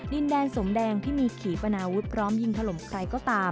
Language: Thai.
ดินแดงสมแดงที่มีขี่ปนาวุธพร้อมยิงถล่มใครก็ตาม